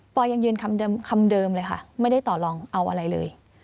ยังยืนคำเดิมเลยค่ะไม่ได้ต่อลองเอาอะไรเลย